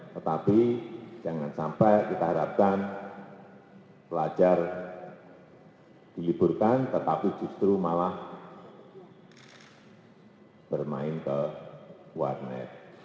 tetapi jangan sampai kita harapkan pelajar diliburkan tetapi justru malah bermain ke warnet